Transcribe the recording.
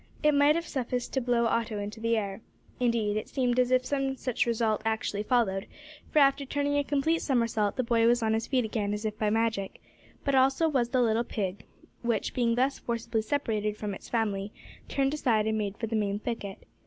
It might have sufficed to blow Otto into the air. Indeed, it seemed as if some such result actually followed, for, after turning a complete somersault, the boy was on his feet again as if by magic; but so also was the little pig, which, being thus forcibly separated from its family, turned aside and made for the main thicket.